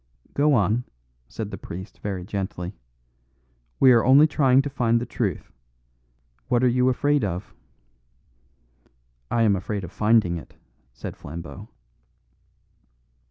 "Go on," said the priest very gently. "We are only trying to find the truth. What are you afraid of?" "I am afraid of finding it," said Flambeau.